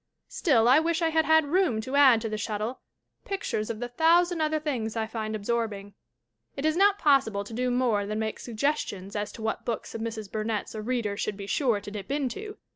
Still, I wish I had had room to add to The Shuttle pictures of the thousand other things I find absorbing." It is not possible to do more than make suggestions as to what books of Mrs. Burnett's a reader should be sure to dip into.